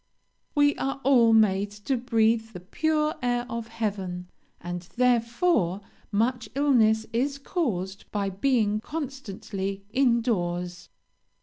"We are all made to breathe the pure air of heaven, and therefore much illness is caused by being constantly in doors.